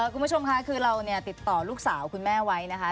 คุณผู้ชมค่ะคือเราเนี่ยติดต่อลูกสาวคุณแม่ไว้นะคะ